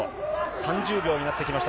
３０秒になってきました